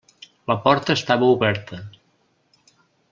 La porta estava oberta.